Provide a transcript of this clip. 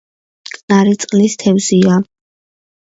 მტკნარი წყლის თევზია.